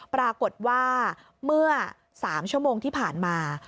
ปรากฏว่าเมื่อ๓ชั่วโมงที่ผ่านมา